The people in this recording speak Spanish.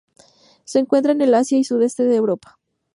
Se encuentra en el Asia y sudeste de Europa.